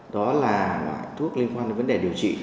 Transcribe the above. đó là thuốc liên quan đến vấn đề điều trị